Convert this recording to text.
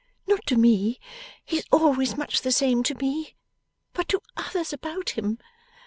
Not to me he is always much the same to me but to others about him.